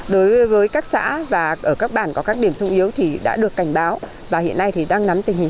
đối với các xã và ở các bản có các điểm sung yếu thì đã được cảnh báo và hiện nay thì đang nắm tình hình